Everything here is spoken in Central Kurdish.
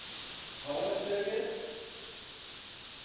ئەوت دەوێت؟